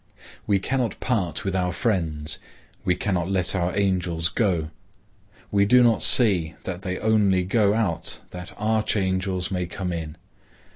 We cannot part with our friends. We cannot let our angels go. We do not see that they only go out that archangels may come in.